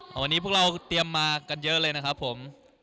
วันนี้พวกเราเตรียมมากันเยอะเลยนะครับผม